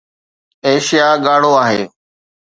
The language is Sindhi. ايشيا ڳاڙهو آهي.